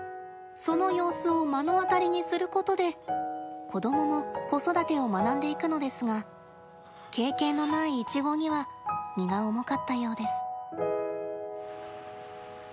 その様子を目の当たりにすることで子どもも子育てを学んでいくのですが経験のないイチゴには荷が重かったようです。